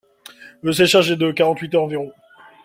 le séchage est de quarante huit heures environ